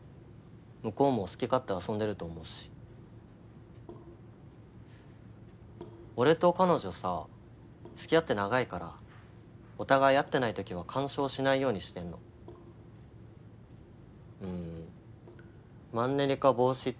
向こうも好き勝手遊んでると思うし俺と彼女さつきあって長いからお互い会ってない時は干渉しないようにしてんのうんマンネリ化防止ってやつ？